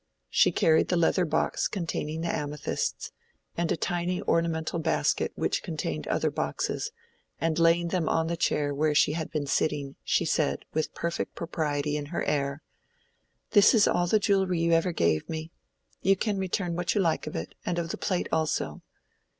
She carried the leather box containing the amethysts, and a tiny ornamental basket which contained other boxes, and laying them on the chair where she had been sitting, she said, with perfect propriety in her air— "This is all the jewellery you ever gave me. You can return what you like of it, and of the plate also.